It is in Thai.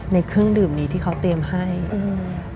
เครื่องดื่มนี้ที่เขาเตรียมให้อืม